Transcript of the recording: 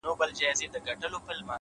زه به د څو شېبو لپاره نور،